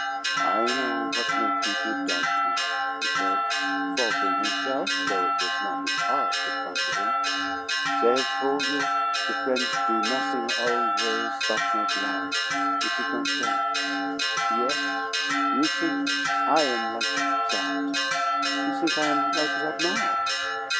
"I know what make' you to doubt me," he said, faltering himself, though it was not his art that prompted him. "They have tol' you the French do nothing always but make love, is it not so? Yes, you think I am like that. You think I am like that now!"